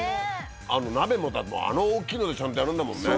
あの鍋もあの大きいのでちゃんとやるんだもんね。